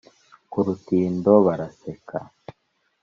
ku rutindo baraseka